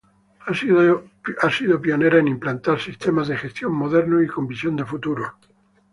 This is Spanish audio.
Ha sido pionera en implantar sistemas de gestión modernos y con visión de futuro.